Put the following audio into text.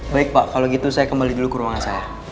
baik pak kalau gitu saya kembali dulu ke ruangan saya